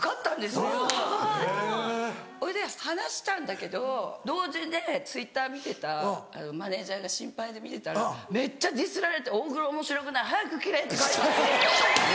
すごい！それで話したんだけど同時でＴｗｉｔｔｅｒ見てたマネジャーが心配で見てたらめっちゃディスられて「大黒おもしろくない！早く切れ‼」って書いてある。